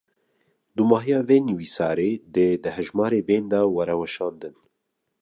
Dûmahiya vê nivîsarê, dê di hejmarên bên de were weşandin